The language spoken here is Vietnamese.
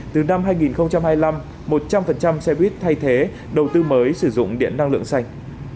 từ năm hai nghìn hai mươi năm một trăm linh xe buýt thay thế đầu tư mới sử dụng điện năng lượng xanh